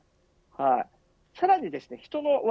さらに人の和。